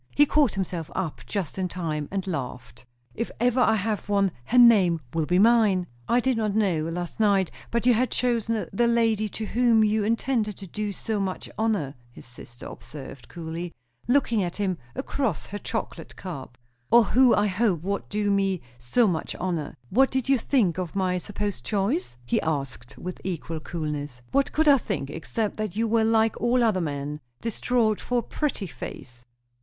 He caught himself up just in time, and laughed. "If ever I have one, her name will be mine." "I did not know, last night, but you had chosen the lady to whom you intended to do so much honour," his sister observed coolly, looking at him across her chocolate cup. "Or who I hoped would do me so much honour. What did you think of my supposed choice?" he asked with equal coolness. "What could I think, except that you were like all other men distraught for a pretty face."